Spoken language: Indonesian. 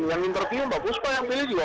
yang interview mbak puspa yang pilih juga